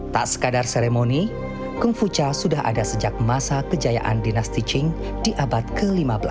tak sekadar seremoni kung fu cha sudah ada sejak masa kejayaan dinasti qing di abad ke lima belas